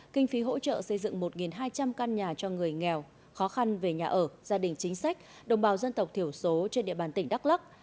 kinh phí hỗ trợ xây dựng một hai trăm linh căn nhà cho người nghèo khó khăn về nhà ở gia đình chính sách đồng bào dân tộc thiểu số trên địa bàn tỉnh đắk lắc